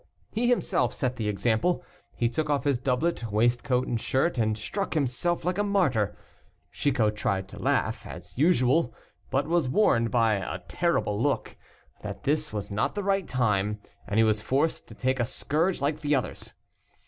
He himself set the example. He took off his doublet, waistcoat, and shirt, and struck himself like a martyr. Chicot tried to laugh, as usual, but was warned by a terrible look, that this was not the right time, and he was forced to take a scourge like the others.